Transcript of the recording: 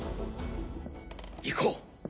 行こう。